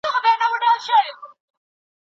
دا پروسه تر هغه چي فکر کوئ سخت ده.